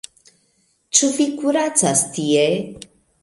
Ĉu vi kuracas tie?